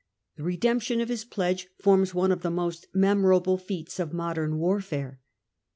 The redemption of his pledge forms one of the most memorable feats of modem warfare.